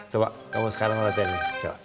coba kamu sekarang melihat ini